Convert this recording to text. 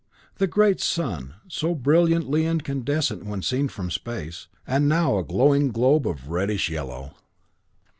The great sun, so brilliantly incandescent when seen from space, and now a glowing globe of reddish yellow.